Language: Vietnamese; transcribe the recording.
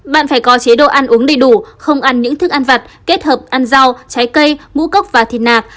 bạn phải có chế độ ăn uống đầy đủ không ăn những thức ăn vặt kết hợp ăn rau trái cây ngũ cốc và thịt nạc